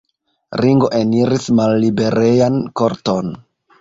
Ringo eniris malliberejan korton.